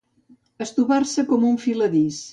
Estovar-se com un filadís.